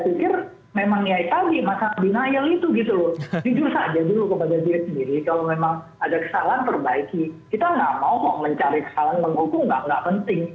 kita nggak mau mencari kesalahan menghukum nggak nggak penting